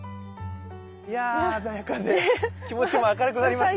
いや鮮やかで気持ちも明るくなりますね。